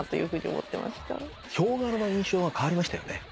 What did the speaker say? ヒョウ柄の印象が変わりましたよね。